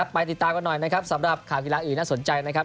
ไปติดตามกันหน่อยนะครับสำหรับข่าวกีฬาอื่นน่าสนใจนะครับ